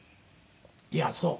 いやそう。